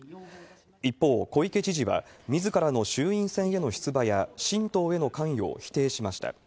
一方、小池知事はみずからの衆院選への出馬や新党への関与を否定しました。